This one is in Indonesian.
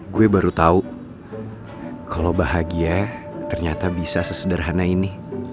gue baru tahu kalau bahagia ternyata bisa sesederhana ini